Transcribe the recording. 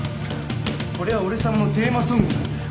これは俺さまのテーマソングなんだよ。